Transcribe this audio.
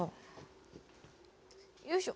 よいしょ。